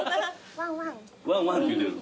ワンワンって言うてる。